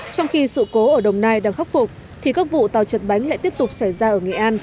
trong khi sự cố ở đồng nai đang khắc phục thì các vụ tàu chật bánh lại tiếp tục xảy ra ở nghệ an